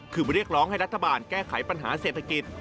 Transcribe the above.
คือเรียกร้องให้รัฐบาลแก้ไขปัญหาเศรษฐกิจ